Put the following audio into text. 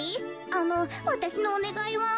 あのわたしのおねがいは。